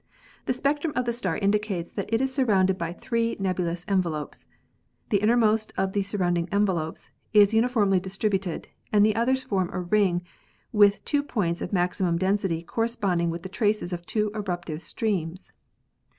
The spectrum of the star indicates that it is surrounded by three nebulous envelopes. The innermost of the surround ing envelopes is uniformly distributed and the others form a ring with two points of maximum density corresponding with the traces of two eruptive streams.